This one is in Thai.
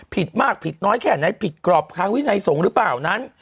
ผิดมากผิดน้อยแค่ไหนผิดกรอบทางวินัยสงฆ์หรือเปล่านั้น